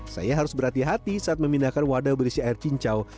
saya harus berhati hati saat memindahkan wadah berisi air cincau